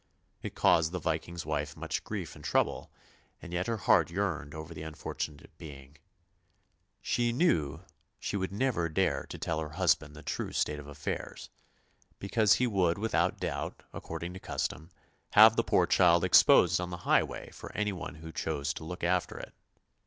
It caused the Viking's wife much grief and trouble, and yet her heart yearned over the unfortunate being. She knew that she would never dare to tell her husband the true state of affairs, because he would without doubt, according to custom, have the poor child exposed on the highway for anyone who chose to look after it.